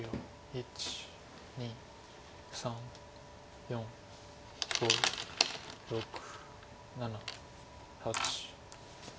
１２３４５６７８。